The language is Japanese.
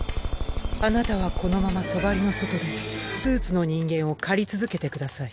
あなたはこのまま帳の外でスーツの人間を狩り続けてください。